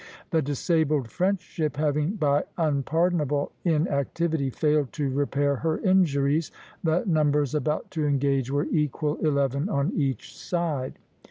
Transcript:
The disabled French ship having by unpardonable inactivity failed to repair her injuries, the numbers about to engage were equal, eleven on each side.